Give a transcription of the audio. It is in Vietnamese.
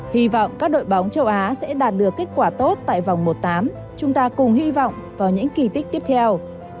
hy vọng các đội bóng châu á sẽ đạt được kết quả tốt tại vòng một tám chúng ta cùng hy vọng vào những kỳ tích tiếp theo